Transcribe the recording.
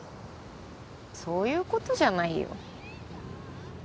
そういう事じゃないよ。